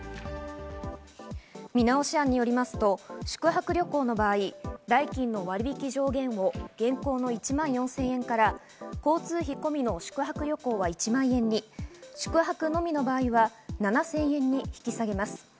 見直し案によりますと、宿泊旅行の場合、代金の割引上限を現行の１万４０００円から交通費込みの宿泊旅行は１万円に、宿泊のみの場合は７０００円に引き下げます。